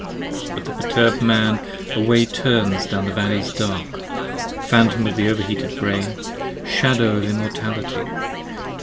But the perturbed Man away turns down the valleys dark; Phantom of the over heated brain! shadow of immortality!